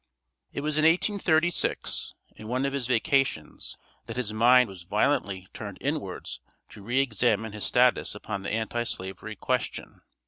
It was in 1836, in one of his vacations, that his mind was violently turned inwards to re examine his status upon the Anti slavery question.